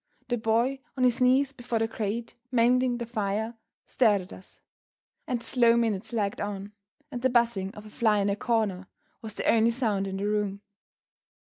The boy, on his knees before the grate, mending the fire, stared at us. And the slow minutes lagged on; and the buzzing of a fly in a corner was the only sound in the room.